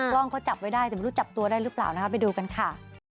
กล้องเขาจับไว้ได้แต่ไม่รู้จับตัวได้หรือเปล่านะคะไปดูกันค่ะ